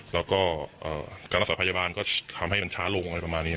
แล้วก็เอ่อการอาสาพพยาบาลก็ทำให้มันช้าลงไปประมาณนี้